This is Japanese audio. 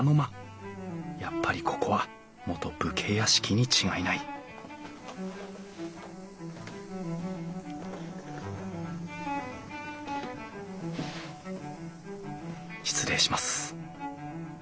やっぱりここは元武家屋敷に違いない失礼します。